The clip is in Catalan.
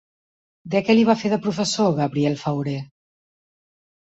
De què li va fer de professor Gabriel Fauré?